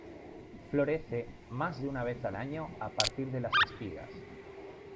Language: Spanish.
Florece más de una vez al año a partir de las espigas.